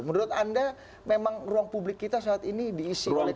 menurut anda memang ruang publik kita saat ini diisi oleh publik